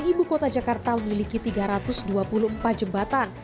ibu kota jakarta memiliki tiga ratus dua puluh empat jembatan